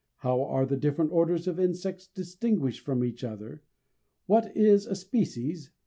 "How are the different orders of insects distinguished from each other?" "What is a species?"